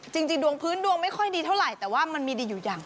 จริงดวงพื้นดวงไม่ค่อยดีเท่าไหร่แต่ว่ามันมีดีอยู่อย่าง